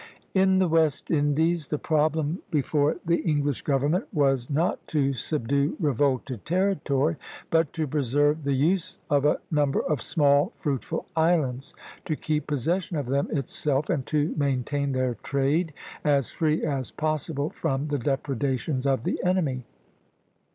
In the West Indies the problem before the English government was not to subdue revolted territory, but to preserve the use of a number of small, fruitful islands; to keep possession of them itself, and to maintain their trade as free as possible from the depredations of the enemy.